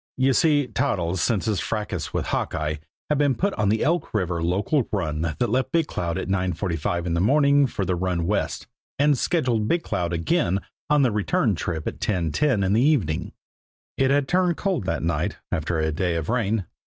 You see, Toddles, since his fracas with Hawkeye, had been put on the Elk River local run that left Big Cloud at 9.45 in the morning for the run west, and scheduled Big Cloud again on the return trip at 10.10 in the evening. It had turned cold that night, after a day of rain.